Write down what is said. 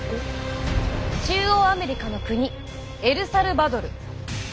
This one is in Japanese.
中央アメリカの国エルサルバドル。